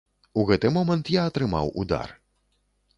У гэты момант я атрымаў удар.